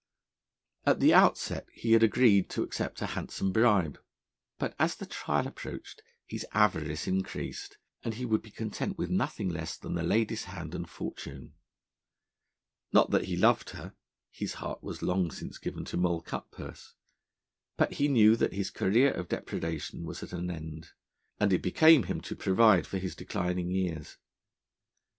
At the outset he had agreed to accept a handsome bribe, but as the trial approached, his avarice increased, and he would be content with nothing less than the lady's hand and fortune. Not that he loved her; his heart was long since given to Moll Cutpurse; but he knew that his career of depredation was at an end, and it became him to provide for his declining years.